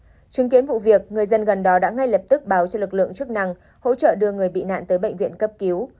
chứng kiến vụ việc người dân gần đó đã ngay lập tức báo cho lực lượng chức năng hỗ trợ đưa người bị nạn tới bệnh viện cấp cứu